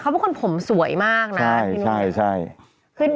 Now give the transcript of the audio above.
เขาบอกว่าคนผมสวยมากนะนะพี่นุ๊คพี่นุ๊ค